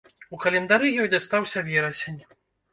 У календары ёй дастаўся верасень.